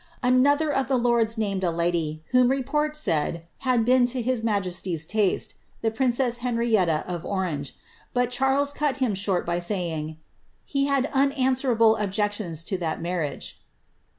' n of tlie lords named a lady, whom report said had been to his 1 taste — the princess Henrietta of Orange ; but Charles cut him saying, ^^ he had unanswerable objections to that marriage."